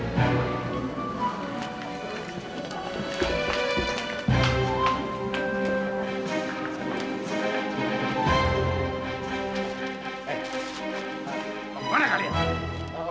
mas jangan kasar sama cewek dong